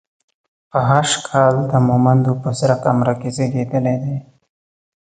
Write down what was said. په هـ ش کال د مومندو په سره کمره کې زېږېدلی دی.